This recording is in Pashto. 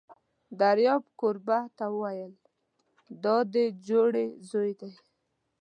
دریاب کوربه ته وویل: دا دې جوړې زوی دی!